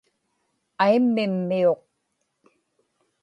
aimmimmiuq